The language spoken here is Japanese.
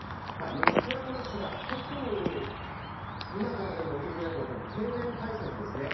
４つありますが特に今からでも遅くないのが停電対策ですね。